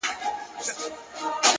عاجزي د لویوالي نښه ده،